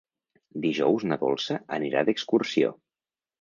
Dijous na Dolça anirà d'excursió.